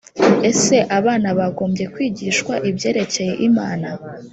ese abana bagombye kwigishwa ibyerekeye imana